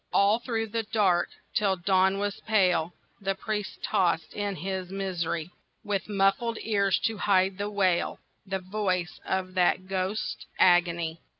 All through the dark, till dawn was pale, The priest tossed in his misery, With muffled ears to hide the wail, The voice of that ghost's agony.